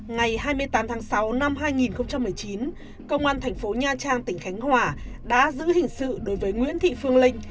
ngày hai mươi tám tháng sáu năm hai nghìn một mươi chín công an thành phố nha trang tỉnh khánh hòa đã giữ hình sự đối với nguyễn thị phương linh